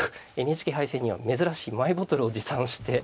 ＮＨＫ杯戦には珍しいマイボトルを持参して。